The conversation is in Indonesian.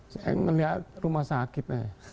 saya melihat rumah sakit